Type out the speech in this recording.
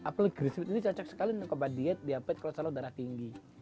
apel green smith ini cocok sekali untuk obat diet diabet kalau salah darah tinggi